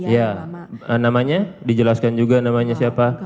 ya namanya dijelaskan juga namanya siapa